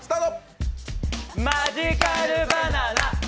マジカルバナナ！